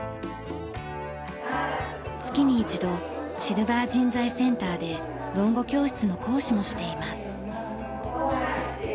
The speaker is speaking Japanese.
月に一度シルバー人材センターで『論語』教室の講師もしています。